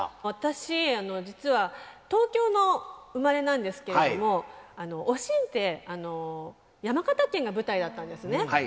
私実は東京の生まれなんですけれども「おしん」って山形県が舞台だったんですね。